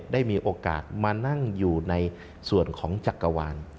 ได้มีโอกาสมานั่งอยู่ในส่วนของจักรวาล